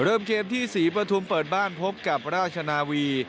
เริ่มเกมที่ศรีปฐุมเปิดบ้านพบกับราชนาวี